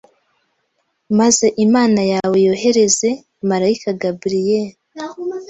maze Imana yawe yohereze Malayika Gabriel